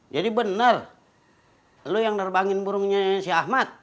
jadi bener lu yang nerbangin burungnya si ahmad